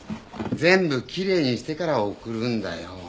全部きれいにしてから送るんだよ。